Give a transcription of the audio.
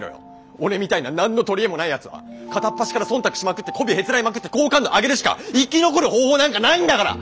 俺みたいな何の取り柄もないやつは片っ端から忖度しまくってこびへつらいまくって好感度上げるしか生き残る方法なんかないんだから！